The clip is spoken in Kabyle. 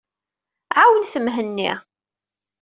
Ɛawnent Mhenni.